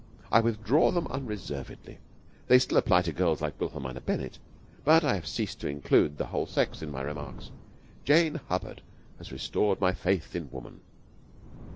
I withdraw them unreservedly. They still apply to girls like Wilhelmina Bennett, but I have ceased to include the whole sex in my remarks. Jane Hubbard has restored my faith in woman.